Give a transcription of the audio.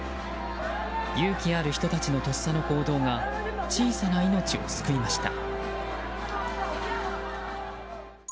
勇気ある人たちのとっさの行動が小さな命を救いました。